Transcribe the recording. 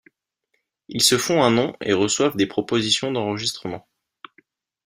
Ils se font un nom et reçoivent des propositions d'enregistrements.